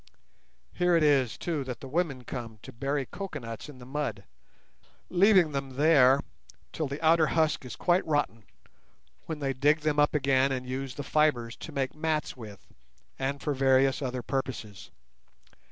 Here it is, too, that the women come to bury coconuts in the mud, leaving them there till the outer husk is quite rotten, when they dig them up again and use the fibres to make mats with, and for various other purposes.